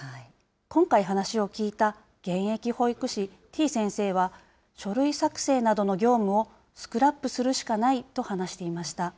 今回話を聞いた、現役保育士、てぃ先生は、書類作成などの業務をスクラップするしかないと話していました。